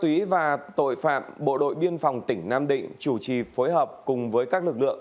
phòng chống ma túy và tội phạm bộ đội biên phòng tỉnh nam định chủ trì phối hợp cùng với các lực lượng